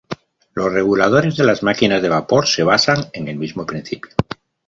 Los reguladores de las máquinas de vapor se basan en el mismo principio.